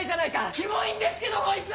キモいんですけどこいつ！